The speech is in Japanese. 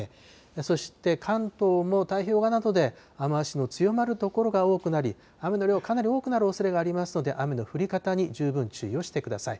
そして関東も太平洋側などで雨足の強まる所が多くなり、雨の量、かなり多くなるおそれがありますので、雨の降り方に十分注意をしてください。